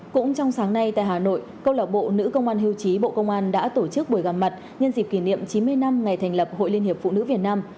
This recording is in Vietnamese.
cũng trong sáng nay tại hà nội câu lạc bộ nữ công an hiêu chí bộ công an đã tổ chức buổi gặp mặt nhân dịp kỷ niệm chín mươi năm ngày thành lập hội liên hiệp phụ nữ việt nam